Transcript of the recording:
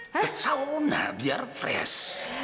ke sauna biar fresh